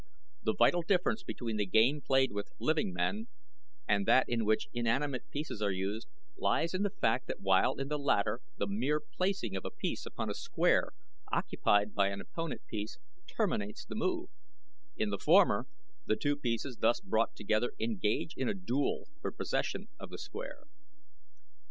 The vital difference between the game played with living men and that in which inanimate pieces are used, lies in the fact that while in the latter the mere placing of a piece upon a square occupied by an opponent piece terminates the move, in the former the two pieces thus brought together engage in a duel for possession of the square.